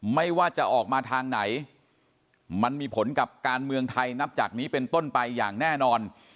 ไม่ว่าจะออกมาทางไหนมันมีผลกับการเมืองไทยนับจากนี้เป็นต้นไปอย่างแน่นอน